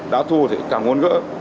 đã thua thì càng muốn gỡ